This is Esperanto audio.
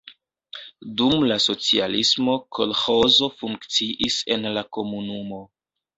Dum la socialismo kolĥozo funkciis en la komunumo.